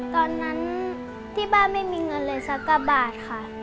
ตอนนั้นที่บ้านไม่มีเงินเลยสักกะบาทค่ะ